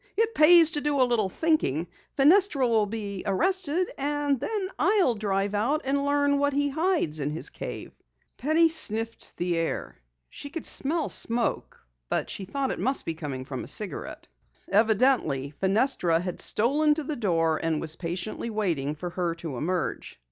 "It pays to do a little thinking. Fenestra will be arrested, and then I'll drive out and learn what he hides in his cave." Penny sniffed the air. She could smell smoke, and she thought it must be coming from a cigarette. Evidently Fenestra had stolen to the door and was patiently waiting for her to emerge.